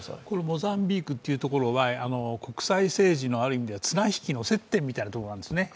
モザンビークというところは国際政治のある意味の綱引きの接点みたいなところがあるんですね。